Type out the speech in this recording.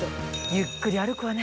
ゆっくり歩くわね。